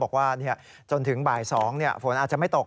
บอกว่าจนถึงบ่าย๒ฝนอาจจะไม่ตก